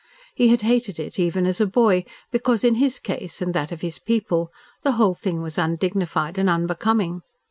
He had hated it even as a boy, because in his case, and that of his people, the whole thing was undignified and unbecoming.